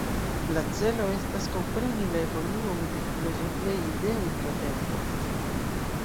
La celo estas kompreni la evoluon de filozofiaj ideoj tra tempo.